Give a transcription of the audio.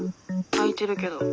空いてるけど。